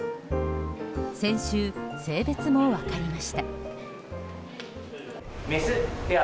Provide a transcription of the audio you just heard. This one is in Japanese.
先週、性別も分かりました。